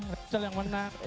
rachel yang menang